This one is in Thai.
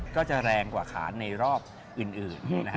ก็จะแรงกว่าขานในรอบอื่นนะครับ